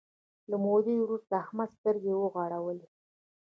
له مودې وروسته احمد سترګې وغړولې.